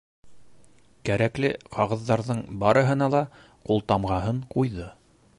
Кәрәкле ҡағыҙҙарҙың барыһына ла ҡултамғаһын ҡуйҙы.